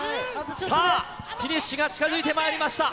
さあ、フィニッシュが近づいてまいりました。